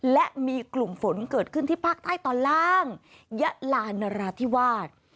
และมีกลุ่มฝนเกิดขึ้นที่ภาคใต้ตอนล่างยะลานราธิวาส